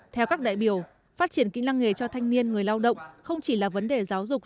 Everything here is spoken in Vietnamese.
theo các đại biểu phát triển kỹ năng nghề cho thanh niên người lao động không chỉ là vấn đề giáo dục